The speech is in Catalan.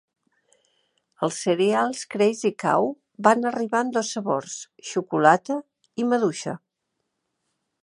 Els cereals Crazy Cow van arribar en dos sabors, xocolata i maduixa.